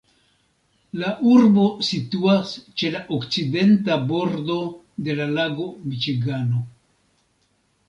La urbo situas ĉe la okcidenta bordo de la lago Miĉigano.